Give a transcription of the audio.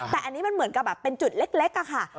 แต่อันนี้มันเหมือนกับแบบเป็นจุดเล็กอะค่ะ